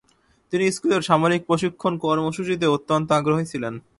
তিনি স্কুলের সামরিক প্রশিক্ষণ কর্মসূচিতেও অত্যন্ত আগ্রহী ছিলেন।